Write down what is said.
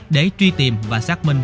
để truy tìm và xác minh